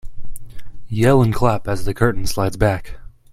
Yell and clap as the curtain slides back.